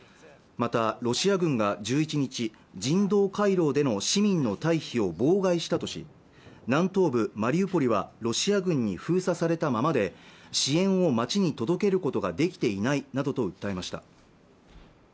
またロシア軍が１１日人道回廊での市民の退避を妨害したとし南東部マリウポリはロシア軍に封鎖されたままで支援を町に届けることができていないなどと訴えました